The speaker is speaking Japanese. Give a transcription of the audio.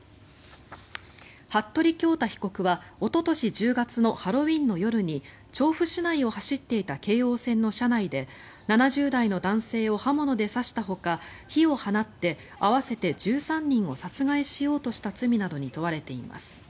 服部恭太被告はおととし１０月のハロウィーンの夜に調布市内を走っていた京王線の車内で７０代の男性を刃物で刺したほか火を放って合わせて１３人を殺害しようとした罪などに問われています。